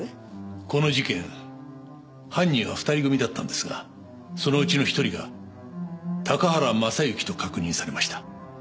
この事件犯人は２人組だったんですがそのうちの１人が高原雅之と確認されました。